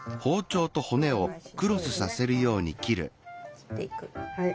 切っていく。